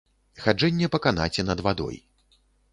Хаджэнне па канаце над вадой.